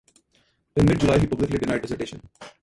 In mid-July, he publicly denied desertion.